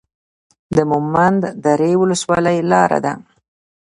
د مومند درې ولسوالۍ لاره ده